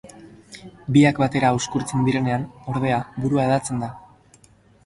Biak batera uzkurtzen direnean, ordea, burua hedatzen da.